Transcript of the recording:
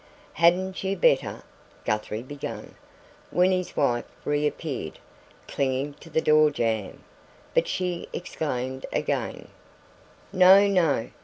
"Hadn't you better ?" Guthrie began, when his wife reappeared, clinging to the door jamb; but she exclaimed again: "No, no!